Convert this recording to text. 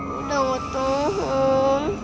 udah gak tahan